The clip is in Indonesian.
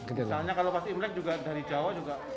misalnya kalau pas imlek juga dari jawa juga